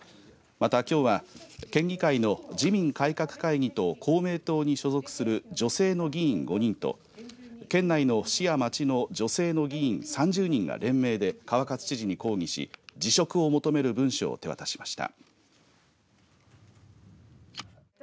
また、きょうは県議会の自民改革会議と公明党に所属する女性の議員５人と県内の市や町の女性の議員３０人が連名で川勝知事に抗議し辞職を求める文書を手渡しました。